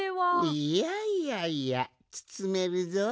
いやいやいやつつめるぞい。